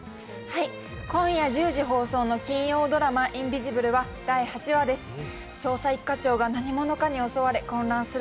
今夜１０時放送の金曜ドラマ「インビジブル」は第８話です。